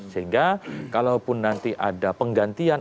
sehingga kalaupun nanti ada penggantian